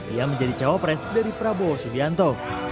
ia menjadi cawapres dari prabowo subianto